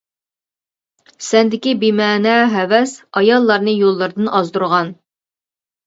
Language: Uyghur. سەندىكى بىمەنە ھەۋەس، ئاياللارنى يوللىرىدىن ئازدۇرغان.